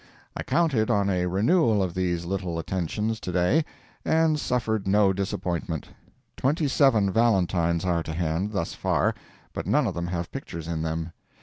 I counted on a renewal of these little attentions to day, and suffered no disappointment. Twenty seven valentines are to hand, thus far, but none of them have pictures in them.